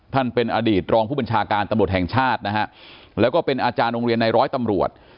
ท่านเป็นอดีตรองผู้บัญชาการตำรวจแห่งชาตินะฮะแล้วก็เป็นอาจารย์โรงเรียนในร้อยตำรวจ